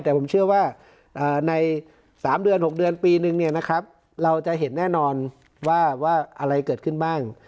แต่ผมเชื่อว่าใน๓๖เดือนปีนึงเนี่ยนะครับเราจะเห็นแน่นอนว่าอะไรเกิดขึ้นบ้าง